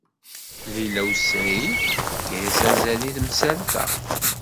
Lila u Saɛid tefka-as azal i temsalt-a.